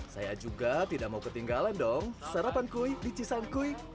saya juga tidak mau ketinggalan dong sarapan kue di cisangkui